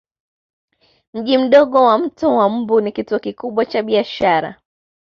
Mji mdogo wa Mto wa Mbu ni kituo kikubwa cha biashara